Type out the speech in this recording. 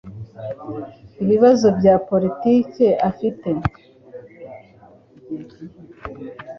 ibibazo bya politike afite